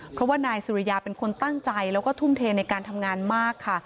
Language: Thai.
เพราะว่านายสุริยาเป็นคนตั้งใจแล้วก็ทุ่มเทในการทำงานมากค่ะ